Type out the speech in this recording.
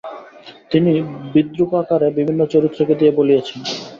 তিনি বিদ্রুপাকারে বিভিন্ন চরিত্রকে দিয়ে বলিয়েছেন।